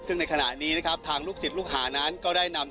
ในขณะนี้ทางลูกสิทธ์ลูกหามน้ำก็ได้นำ